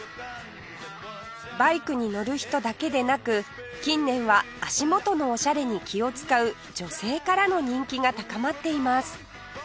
バイクに乗る人だけでなく近年は足元のオシャレに気を使う女性からの人気が高まっています